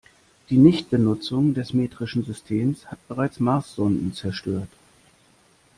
Die Nichtbenutzung des metrischen Systems hat bereits Marssonden zerstört.